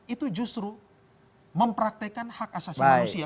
itu justru mempraktekan hak asasi manusia